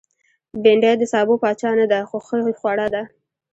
بېنډۍ د سابو پاچا نه ده، خو ښه خوړه ده